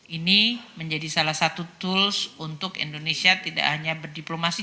ini menjadi salah satu tools untuk indonesia tidak hanya berdiplomasi